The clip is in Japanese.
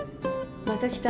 また来たの？